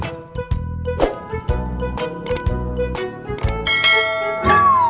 loh lu tersenyum